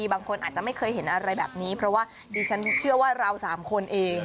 บางคนอาจจะไม่เคยเห็นอะไรแบบนี้เพราะว่าดิฉันเชื่อว่าเราสามคนเอง